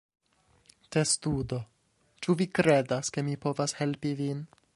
Testudo: "Ĉu vi kredas ke mi povas helpi vin?"